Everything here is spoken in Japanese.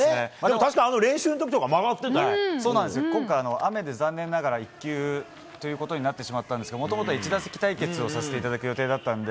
確かに練習の時とか今回、雨で残念ながら１球ということになってしまったんですがもともとは１打席対決をさせていただく予定だったので。